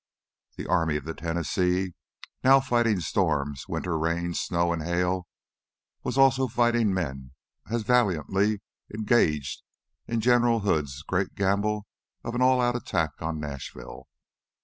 The Army of the Tennessee, now fighting storms, winter rains, snow and hail, was also fighting men as valiantly, engaged in General Hood's great gamble of an all out attack on Nashville.